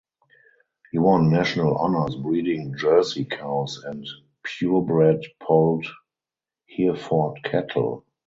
He won national honors breeding jersey cows and purebred Polled Hereford cattle.